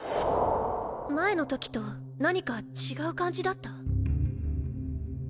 前の時と何か違う感じだった。